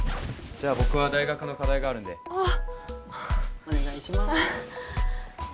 じゃあ僕は大学の課題があるんであっお願いしまーす